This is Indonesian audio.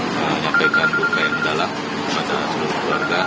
menyampaikan buku yang dalam kepada seluruh keluarga